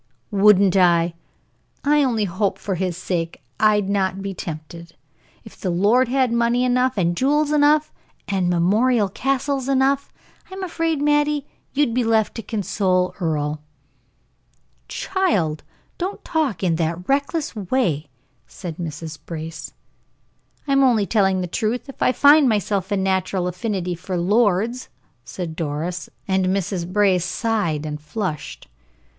"Wouldn't I! I only hope for his sake I'd not be tempted. If the lord had money enough, and jewels enough, and memorial castles enough I'm afraid, Mattie, you'd be left to console Earle." "Child, don't talk in that reckless way," said Mrs. Brace. "I'm only telling the truth. I find in myself a natural affinity for lords," said Doris, and Mrs. Brace sighed and flushed.